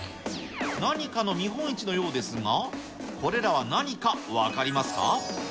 何かの見本市のようですが、これらは何か分かりますか？